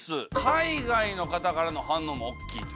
海外の方からの反応も大っきいと。